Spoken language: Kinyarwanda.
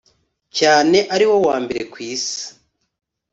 cyane ari wo wa mbere kw'isi